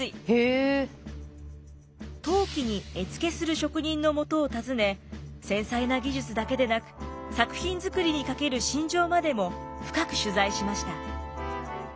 陶器に絵付けする職人のもとを訪ね繊細な技術だけでなく作品作りにかける心情までも深く取材しました。